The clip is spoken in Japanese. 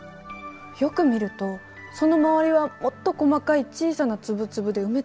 よく見るとその周りはもっと細かい小さな粒々で埋め尽くされてる。